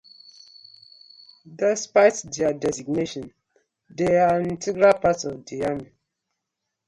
Despite their designation, they are an integral part of the Army.